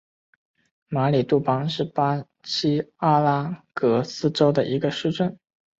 马里邦杜是巴西阿拉戈斯州的一个市镇。